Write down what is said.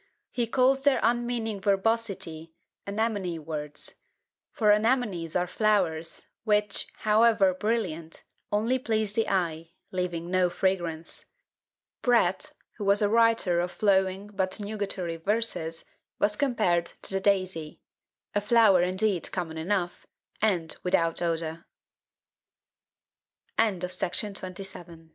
He calls their unmeaning verbosity "anemone words;" for anemonies are flowers, which, however brilliant, only please the eye, leaving no fragrance. Pratt, who was a writer of flowing but nugatory verses, was compared to the daisy; a flower indeed common enough, and without o